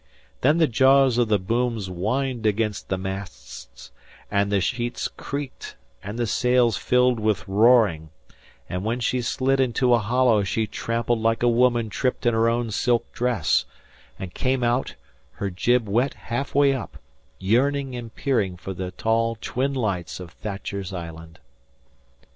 Then the jaws of the booms whined against the masts, and the sheets creaked, and the sails filled with roaring; and when she slid into a hollow she trampled like a woman tripped in her own silk dress, and came out, her jib wet half way up, yearning and peering for the tall twin lights of Thatcher's Island.